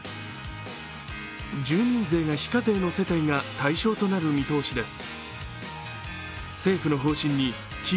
住民税が非課税の世帯が対象となる見通しです。